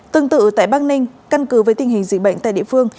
tương tự tại bắc ninh căn cứ với tình hình dịch bệnh tại địa phương